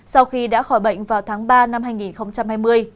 sau khi đã khỏi bệnh vào tháng ba năm hai nghìn hai mươi